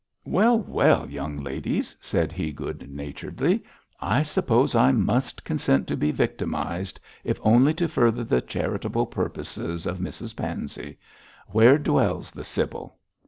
'Well, well, young ladies,' said he, good naturedly, 'I suppose I must consent to be victimised if only to further the charitable purposes of Mrs Pansey. Where dwells the sybil?'